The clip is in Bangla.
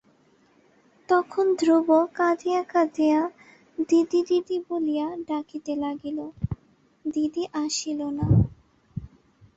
তখন ধ্রুব কাঁদিয়া কাঁদিয়া দিদি দিদি বলিয়া ডাকিতে লাগিল, দিদি আসিল না।